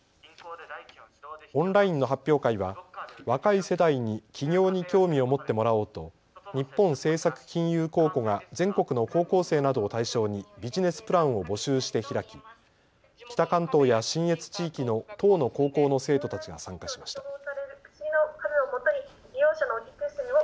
オンラインの発表会は若い世代に起業に興味を持ってもらおうと日本政策金融公庫が全国の高校生などを対象にビジネスプランを募集して開き北関東や信越地域の１０の高校の生徒たちが参加しました。